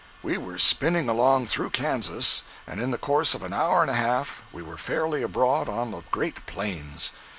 We were spinning along through Kansas, and in the course of an hour and a half we were fairly abroad on the great Plains.